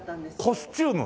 コスチューム？